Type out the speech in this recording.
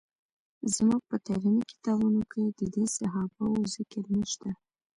زموږ په تعلیمي کتابونو کې د دې صحابه وو ذکر نشته.